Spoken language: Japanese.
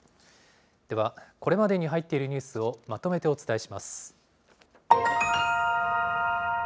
では、これまでに入っているニュースを、まとめてお伝えします。